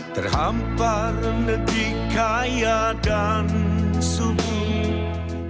terhampar nanti kaya dan suku